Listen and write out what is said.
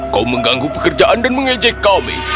kau mengganggu pekerjaan dan mengejek kami